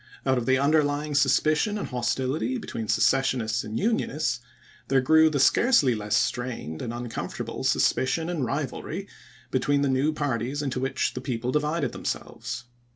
Out of the underlying suspicion and hostility between Secessionists and Unionists there grew the scarcely less strained and uncomfortable suspicion and rivalry between the new parties into which the people divided themselves.